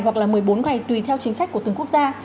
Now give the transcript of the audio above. hoặc là một mươi bốn ngày tùy theo chính sách của từng quốc gia